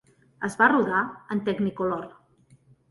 Es va rodar en Technicolor.